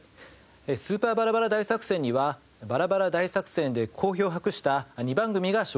スーパーバラバラ大作戦にはバラバラ大作戦で好評を博した２番組が昇格します。